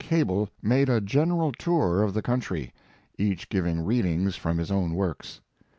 Cable made a general tour of the country, each giving readings from his own works.